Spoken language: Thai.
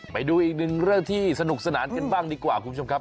ไปดูอีกหนึ่งเรื่องที่สนุกสนานกันบ้างดีกว่าคุณผู้ชมครับ